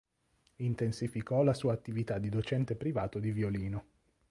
Intensificò la sua attività di docente privato di violino.